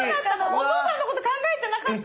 お父さんのこと考えてなかった！